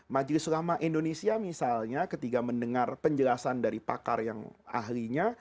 majelis ulama indonesia misalnya ketika mendengar penjelasan dari pakar yang ahlinya